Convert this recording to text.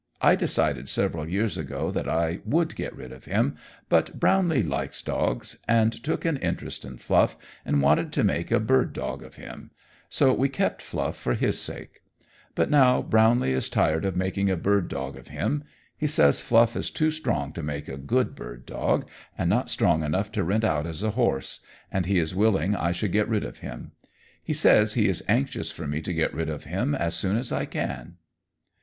I decided several years ago that I would get rid of him, but Brownlee likes dogs, and took an interest in Fluff, and wanted to make a bird dog of him, so we kept Fluff for his sake. But now Brownlee is tired of making a bird dog of him. He says Fluff is too strong to make a good bird dog, and not strong enough to rent out as a horse, and he is willing I should get rid of him. He says he is anxious for me to get rid of him as soon as I can."